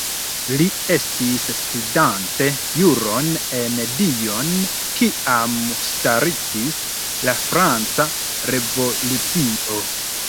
Li estis studante juron en Dijon kiam startis la Franca Revolucio.